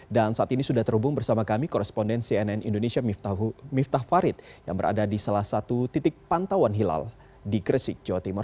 dan saat ini sudah terhubung bersama kami koresponden cnn indonesia miftah farid yang berada di salah satu titik pantauan hilal di gresik jawa timur